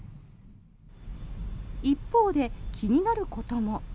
一方で気になることも。